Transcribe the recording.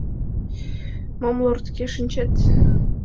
Мом лортке шинчет?